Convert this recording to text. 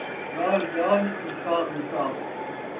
ڳالھ ڳالھ ، انصاف انصاف